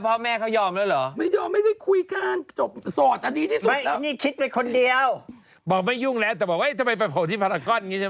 ทำไมเหมือนรายการไม่มีสคริปต์มีนะ